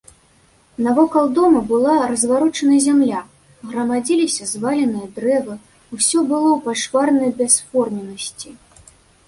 Навокал дома была разварочана зямля, грамадзіліся зваленыя дрэвы, усё было ў пачварнай бясформеннасці.